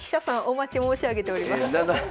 お待ち申し上げております。